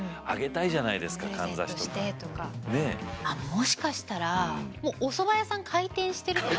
もしかしたらもうおそば屋さん開店してるとか。